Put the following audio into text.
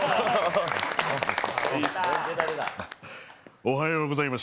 おはようございます。